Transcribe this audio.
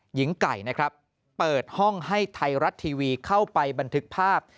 หญิงไก่นะครับเปิดห้องให้ไทยรัฐทีวีเข้าไปบันทึกภาพ